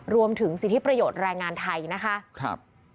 รวมถึงสิทธิประโยชน์แรงงานไทยนะคะ